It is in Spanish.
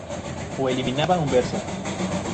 O eliminaba un verso.